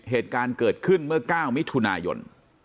เหตุการณ์เกิดขึ้นเมื่อ๙มิถุนายน